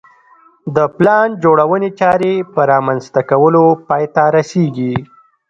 د پلان جوړونې چارې په رامنځته کولو پای ته رسېږي